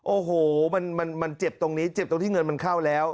โอ้โหมันเจ็บตรงนี้เจ็บตรงที่เงินมันเข้าแล้ว